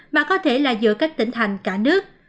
mà có thể là giữa các tỉnh thành cả nước